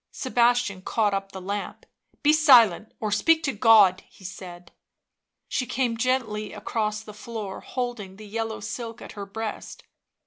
Sebastian caught up the lamp. " Be silent or speak to God," he said. She came gently across the floor, holding the yellow silk at her breast.